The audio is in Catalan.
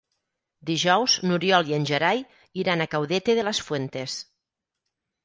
Dijous n'Oriol i en Gerai iran a Caudete de las Fuentes.